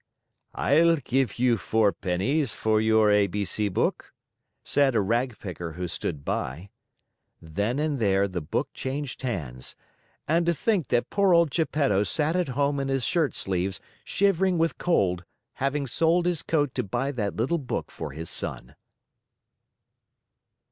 "I'll give you four pennies for your A B C book," said a ragpicker who stood by. Then and there, the book changed hands. And to think that poor old Geppetto sat at home in his shirt sleeves, shivering with cold, having sold his coat to buy that little book for his son!